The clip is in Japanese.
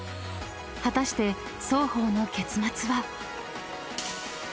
［果たして双方の結末は？］